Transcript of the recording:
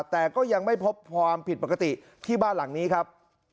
แต่ก็ยังไม่พบความผิดปกติที่บ้านหลังนี้ครับ